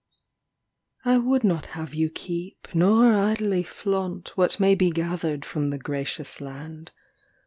XIII I would not have you keep nor idly flaunt What may be gathered from the gracious land.